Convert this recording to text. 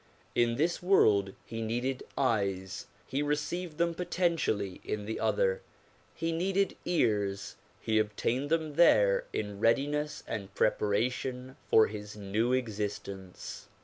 In this world he needed eyes ; he received them potentially in the other. He needed ears ; he obtained them there in readiness and preparation for his new existence.